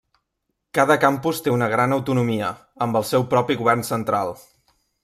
Cada campus té una gran autonomia, amb el seu propi govern central.